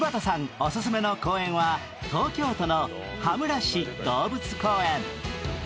オススメの公園は、東京都の羽村市動物公園。